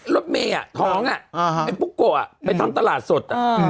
รสมีท์ท้องพลุกโกอ่ะไปทำตลาดสด